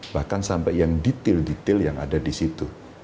bahkan sampai yang detail detail yang ada di situ